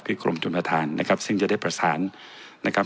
กรมชนประธานนะครับซึ่งจะได้ประสานนะครับ